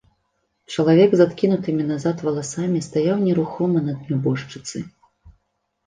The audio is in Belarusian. Чалавек з адкінутымі назад валасамі стаяў нерухома над нябожчыцай.